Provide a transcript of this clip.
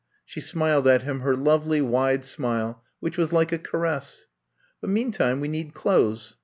She smiled at him her lovely wide smile which was like a caress. But meantime we need clothes.